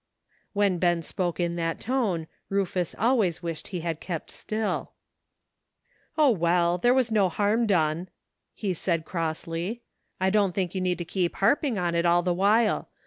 When Ben spoke in that tone Rufus always wished he had kept still. " O, well ! there was no harm done," he said crossly. "I don't think you need to keep harp ing on it all the while.